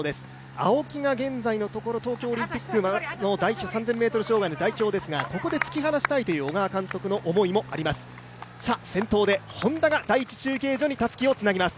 青木が現在のところ、東京オリンピックの３０００ｍ障害の代表ですがここで突き放したいという小川監督の思いもあります。